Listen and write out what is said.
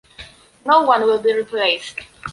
No one will be replaced.